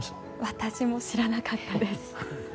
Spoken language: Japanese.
私も知らなかったです。